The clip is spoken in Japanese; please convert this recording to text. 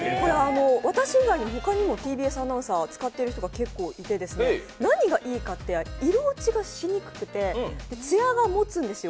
私以外にほかにもＴＢＳアナウンサー使っている人が結構いて何がいいかって、色落ちがしにくくて艶がもつんですよ、